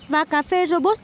và cà phê robusta